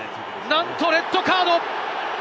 なんとレッドカード！